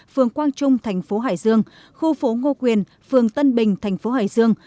phường quang trung thành phố hải dương khu phố ngô quyền phường tân bình thành phố hải dương